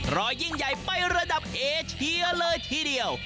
รอยิ่งใหญ่ไประดับเอเชียเลยทีเดียว